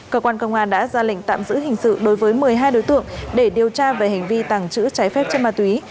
cơ quan công an đã ra lệnh tạm giữ hình sự đối với một mươi hai đối tượng để điều tra về hành vi tàng trữ trái phép chất ma túy